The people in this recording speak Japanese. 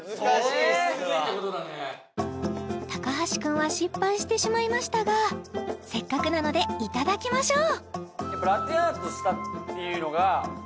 橋君は失敗してしまいましたがせっかくなのでいただきましょう